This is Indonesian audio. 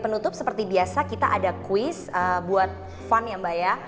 penutup seperti biasa kita ada quiz buat fun ya mbak ya